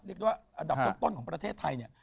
เรียกว่าอันดับต้นของประเทศไทยเนี่ย